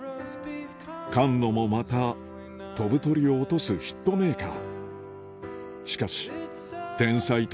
菅野もまた飛ぶ鳥を落とすヒットメーカー